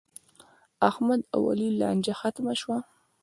د احمد او علي لانجه ختمه شوه.